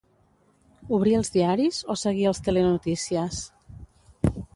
obrir els diaris o seguir els telenotícies